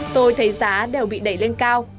tôi thấy giá đều bị đẩy lên cao